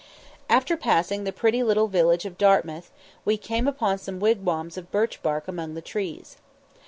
After passing the pretty little village of Dartmouth, we came upon some wigwams of birch bark among the trees.